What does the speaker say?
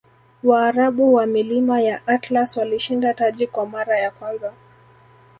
waarabu wa milima ya atlas walishinda taji kwa mara ya kwanza